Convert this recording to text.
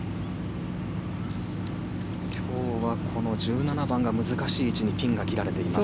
今日はこの１７番が難しい位置にピンが切られています。